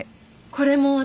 これも私。